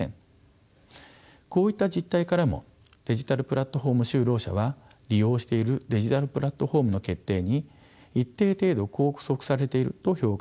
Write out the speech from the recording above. こういった実態からもデジタルプラットフォーム就労者は利用しているデジタルプラットフォームの決定に一定程度拘束されていると評価するべきでしょう。